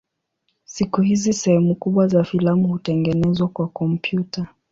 Siku hizi sehemu kubwa za filamu hutengenezwa kwa kompyuta.